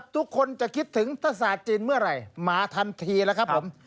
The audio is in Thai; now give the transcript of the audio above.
ทุกคนจะคิดถึงทศาสตร์จีนเมื่อไหร่มาทันทีแล้วครับผม